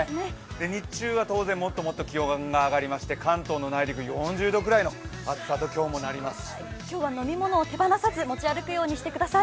日中は当然、もっともっと気温が上がりまして関東の内陸４０度ぐらいの暑さと今日もなります。